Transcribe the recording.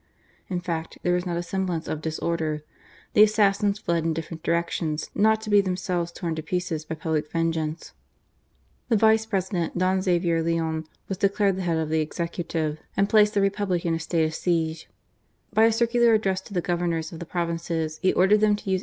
In fact, there was not a semblance of disorder : the assassins fled in different directions not to be themselves torn in pieces by public vengeance. The ident, Don Xavier Leon, was declared the be Executive, and placed the Republic in ,j of siege. By a circular addressed to the ■nors of the Provinces he ordered them to use